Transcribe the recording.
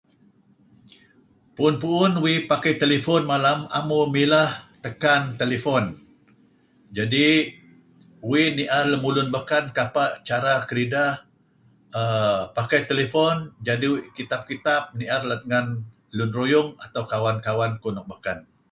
Pu'un-pu'un uih pakai telefon malem 'am uih mileh tekan telefon. Jadi uih ni'er lemulun beken kapeh cara kedideh err pakai telefon jadi' uih kitap-kitap ni'er let ngen lun ruyung atau pun kawan-kawan kuh nuk beken,